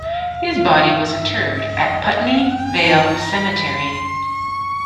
His body was interred at Putney Vale Cemetery.